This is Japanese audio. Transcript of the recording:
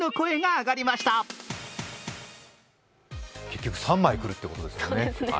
結局３枚来るってことですよね。